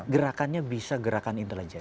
gerakannya bisa gerakan intelijen